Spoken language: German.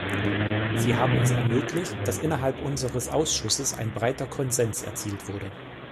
Sie haben es ermöglicht, dass innerhalb unseres Ausschusses ein breiter Konsens erzielt wurde.